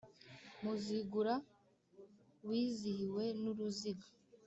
Muzigura wizihiwe n'uruziga